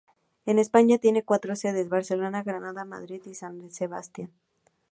En España tiene cuatro sedes: Barcelona, Granada, Madrid, y San Sebastián.